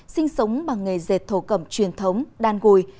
sinh sống bằng nghề dệt thổ cẩm truyền thống đan gùi